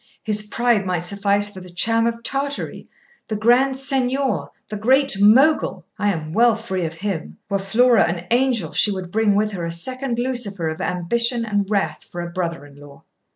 his pride might suffice for the Cham of Tartary the Grand Seignior the Great Mogul! I am well free of him. Were Flora an angel, she would bring with her a second Lucifer of ambition and wrath for a brother in law.'